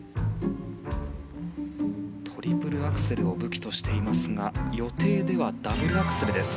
トリプルアクセルを武器としていますが予定ではダブルアクセルです。